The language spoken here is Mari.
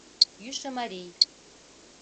Йӱшӧ марий.